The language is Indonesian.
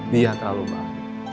dia terlalu baik